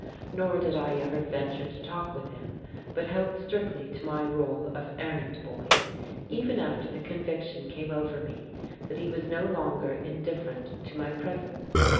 Nor did I ever venture to talk with him, but held strictly to my role of errand boy, even after the conviction came over me that he was no longer indifferent to my presence.